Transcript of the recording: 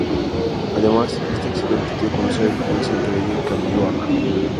Además, este accidente dio a conocer el romance entre ella y Camiroaga.